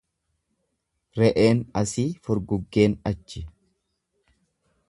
Re'een asi furguggeen achi.